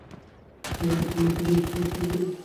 আবার আত্মার মধ্য দিয়া ঈশ্বর আত্মারূপেই দৃষ্ট হন।